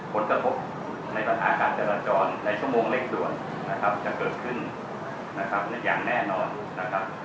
ผลกระทบในปัญหาการเจราจรในชั่วโมงเล็กด่วนจะเกิดขึ้นอย่างแน่นอน